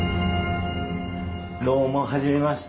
どうもはじめまして。